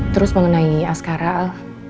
terus mengenai askara al